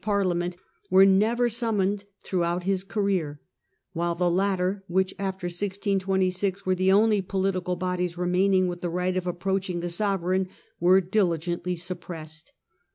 Parliament, were never summoned through out his career ; while the latter, which after 1626 were the only political bodies remaining with the right of approaching the sovereign, were diligently suppressed.